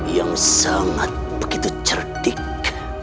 yang sangat begitu cerdik